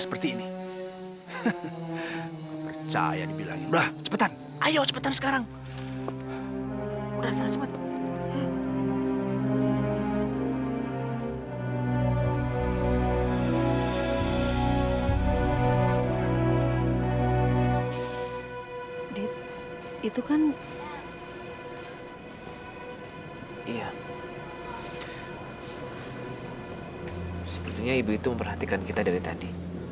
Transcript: sepertinya ibu itu memperhatikan kita dari tadi